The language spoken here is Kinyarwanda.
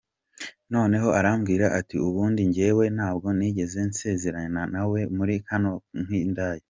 Noneho arambwira ati : ubundi njye ntabwo nigeze nsezerana na we, uri hano nk’indaya !